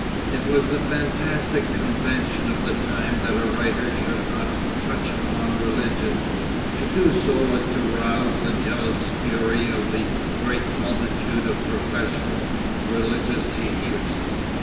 It was the fantastic convention of the time that a writer should not touch upon religion. To do so was to rouse the jealous fury of the great multitude of professional religious teachers.